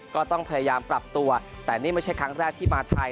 ก็ต้องพยายามปรับตัวแต่นี่ไม่ใช่ครั้งแรกที่มาไทย